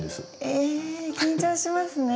えっ緊張しますね。